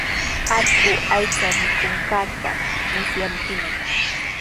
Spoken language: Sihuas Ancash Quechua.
Allqu aycha mikunqanta musyankimi.